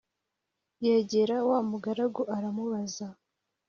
yegera wa mugaragu aramubaza